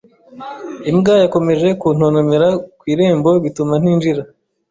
Imbwa yakomeje kuntontomera ku irembo, bituma ntinjira